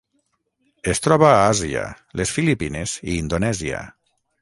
Es troba a Àsia: les Filipines i Indonèsia.